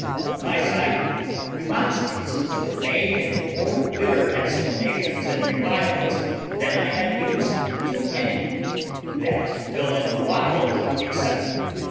On my side remonstrances were made in more bitter exclamations and revilings than I had used to any, that villain Wild excepted.